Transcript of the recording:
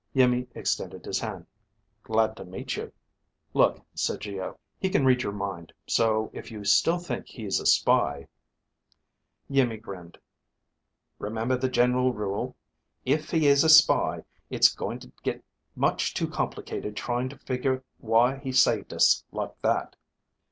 Iimmi extended his hand. "Glad to meet you." "Look," said Geo, "he can read your mind, so if you still think he's a spy ..." Iimmi grinned. "Remember the general rule? If he is a spy, it's going to get much too complicated trying to figure why he saved us like that."